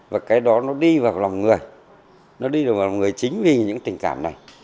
và cái đó nó đi vào lòng người nó đi vào lòng người chính vì những tình cảm này